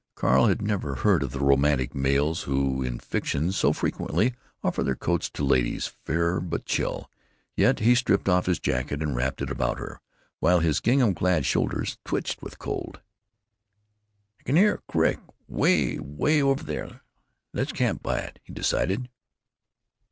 Carl had never heard of the romantic males who, in fiction, so frequently offer their coats to ladies fair but chill; yet he stripped off his jacket and wrapped it about her, while his gingham clad shoulders twitched with cold. "I can hear a crick, 'way, 'way over there. Le's camp by it," he decided.